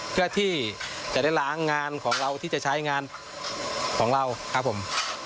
เพื่อที่จะได้ล้างงานของเราที่จะใช้งานของเราครับผม